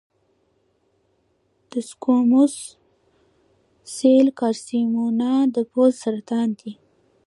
د سکوموس سیل کارسینوما د پوست سرطان دی.